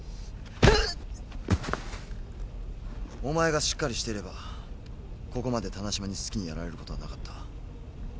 お前がしっかりしていればここまで棚島に好きにやられることはなかった。